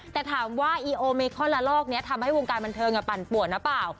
แต่ถามว่าอีโอเมคอนละลอกนี้ทำให้วงการบันเทิงปั่นป่วนหรือเปล่า